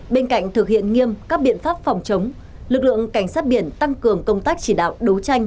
bên cạnh thực hiện nghiêm các biện pháp phòng chống lực lượng cảnh sát biển tăng cường công tác chỉ đạo đấu tranh